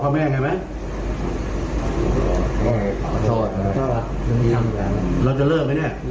เราจะเลิกไหมเนี่ย